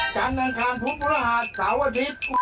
การดังทางทุกข์ปุราหัสสาวอาทิตย์